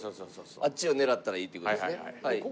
あっちを狙ったらいいっていう事ですね。